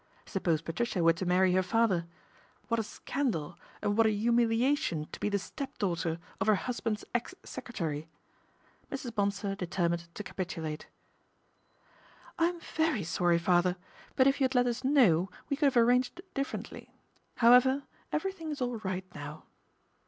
Suppose Patricia were to marry her father ? What a scandal and what a humiliation to be the stepdaughter of her husband's ex secretary. Mrs. Bonsor determined to capitulate. " I'm very sorry, father ; but if you had let us know we could have arranged differently. However, everything is all right no,v."